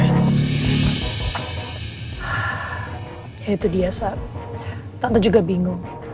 ya itu dia sa tante juga bingung